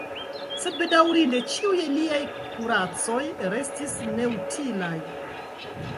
Sed bedaŭrinde ĉiuj liaj kuracoj restis neutilaj.